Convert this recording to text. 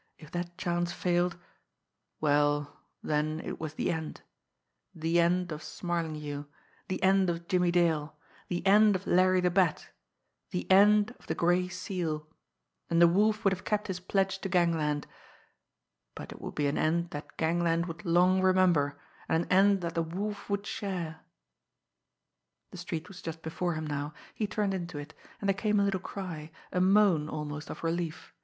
If that chance failed well, then it was the end the end of Smarlinghue, the end of Jimmie Dale, the end of Larry the Bat, the end of the Gray Seal and the Wolf would have kept his pledge to gangland. But it would be an end that gangland would long remember, and an end that the Wolf would share! The street was just before him now. He turned into it and there came a little cry, a moan almost, of relief.